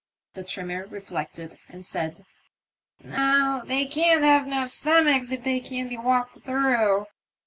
The trimmer reflected, and said, *'No, they can't have no stomachs if they can be walked through."